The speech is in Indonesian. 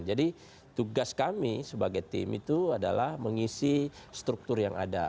jadi tugas kami sebagai tim itu adalah mengisi struktur yang ada